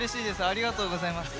ありがとうございます。